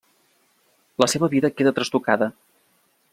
La seva vida queda trastocada.